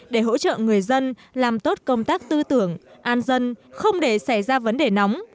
để hỗ trợ người dân làm tốt công tác tư tưởng an dân không để xảy ra vấn đề nóng